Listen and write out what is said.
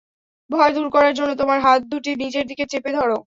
ভয় দূর করার জন্যে তোমার হাত দুটি নিজের দিকে চেপে ধর।